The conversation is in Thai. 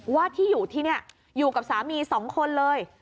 ว่าที่อยู่ที่นี่อยู่กับสามี๒คนเลย